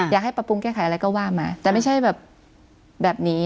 อยากให้ปรับปรุงแก้ไขอะไรก็ว่ามาแต่ไม่ใช่แบบแบบนี้